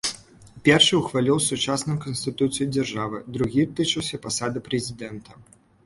Першы ўхваліў сучасную канстытуцыю дзяржавы, другі тычыўся пасады прэзідэнта.